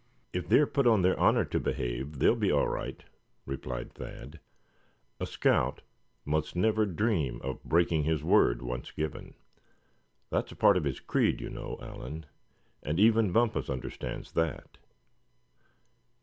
"If they're put on their honor to behave, they'll be all right," replied Thad. "A scout must never dream of breaking his word, once given. That is a part of his creed, you know, Allan; and even Bumpus understands that."